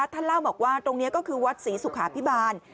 ท่านเล่าบอกว่าตรงนี้ก็คือวัดศรีสุขาพิบาล